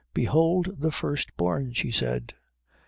"Behold the First Born," she said.